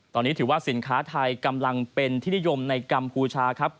ตอนนี้ถือว่าสินค้าไทยกำลังเป็นที่นิยมในกัมพูชาครับ